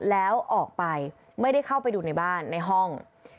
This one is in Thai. แล้วออกไปไม่ได้เข้าไปดูในบ้านในห้อง